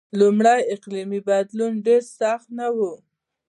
لومړی اقلیمی بدلون ډېر سخت نه و.